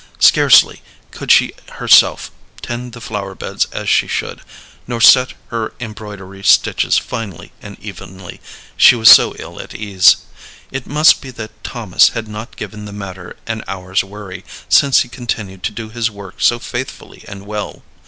Scarcely could she herself tend the flower beds as she should, nor set her embroidery stitches finely and evenly, she was so ill at ease. It must be that Thomas had not given the matter an hour's worry, since he continued to do his work so faithfully and well.